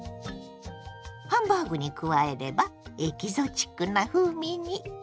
ハンバーグに加えればエキゾチックな風味に！